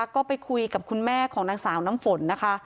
ก็ไปคุยกับคุณแม่ของนางสาวน้ำฝนนะคะ